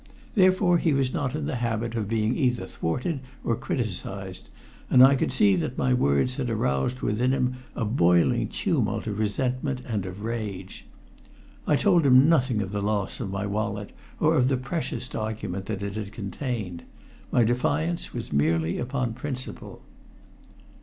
Therefore he was not in the habit of being either thwarted or criticised, and I could see that my words had aroused within him a boiling tumult of resentment and of rage. I told him nothing of the loss of my wallet or of the precious document that it had contained. My defiance was merely upon principle.